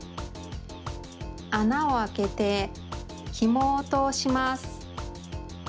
あなをあけてひもをとおします。